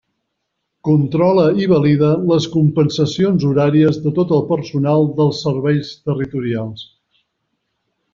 Controla i valida les compensacions horàries de tot el personal dels Serveis Territorials.